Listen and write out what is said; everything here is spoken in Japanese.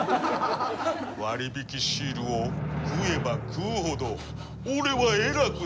割引シールを食えば食うほど俺は偉くなるんだ。